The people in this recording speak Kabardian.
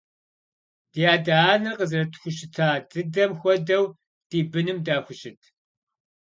Ди адэ-анэр къызэрытхущыта дыдэм хуэдэу ди быным дахущыт?